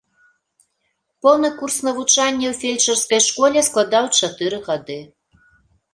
Поўны курс навучання ў фельчарскай школе складаў чатыры гады.